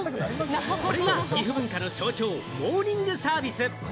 これが岐阜文化の象徴、モーニングサービス。